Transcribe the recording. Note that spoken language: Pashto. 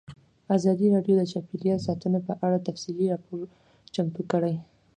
ازادي راډیو د چاپیریال ساتنه په اړه تفصیلي راپور چمتو کړی.